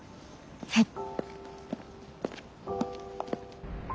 はい。